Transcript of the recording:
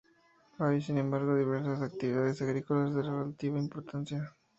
Hay, sin embargo, diversas actividades agrícolas de relativa importancia.